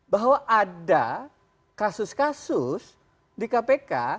bahwa ada kasus kasus di kpk